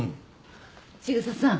千草さん